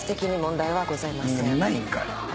ないんかい。